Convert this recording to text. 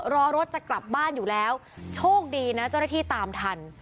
รอรถจะกลับบ้านอยู่แล้วโชคดีนะเจ้าหน้าที่ตามทัน